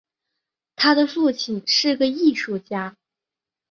他的父亲是个艺术家。